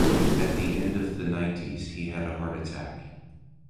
At the end of the nineties he had a heart attack.